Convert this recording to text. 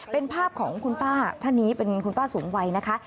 เป็นภาพของคุณป้าท่านนี้เป็นคุณป้าสูงวัยนะคะ